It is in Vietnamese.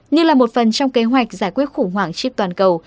như là một phần trong kế hoạch giải quyết khủng hoảng chip toàn cầu